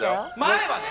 前はね！